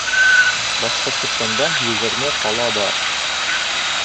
Башҡортостанда егерме ҡала бар.